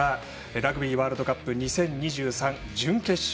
ラグビーワールドカップ２０２３準決勝